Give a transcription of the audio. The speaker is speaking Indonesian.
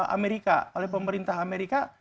amerika oleh pemerintah amerika